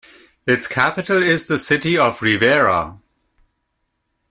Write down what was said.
Its capital is the city of Rivera.